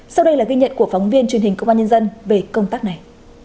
sau đây là ghi nhận của phóng viên truyền hình công an nhân dân về công tác này